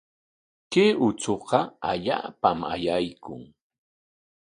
Kay uchuqa allaapam ayaykun.